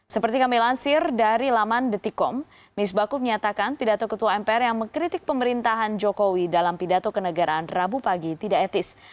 seperti kami lansir dari laman detikom misbaku menyatakan pidato ketua mpr yang mengkritik pemerintahan jokowi dalam pidato kenegaraan rabu pagi tidak etis